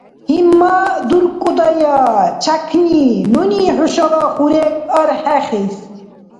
– ГьиммадуркӀудая, чякни, нуни хӀушала хурег архӀехис.